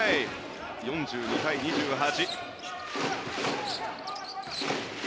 ４２対２８。